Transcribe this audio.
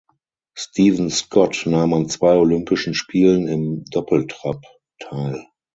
Steven Scott nahm an zwei Olympischen Spielen im Doppeltrap teil.